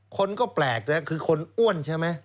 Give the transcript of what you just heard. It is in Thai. คนก็แปลกนะคือคนอ้วนใช่ไหม